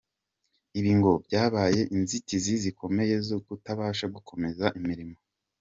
Ibi ngo byabaye inzitizi zikomeye zo kutabasha gukomeza imirimo.